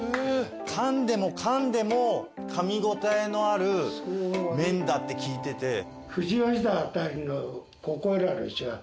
かんでもかんでもかみ応えのある麺だって聞いてて。